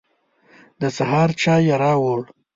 د سهار چای يې راوړ.